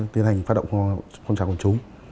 tiến hành phát động công trạng quản chúng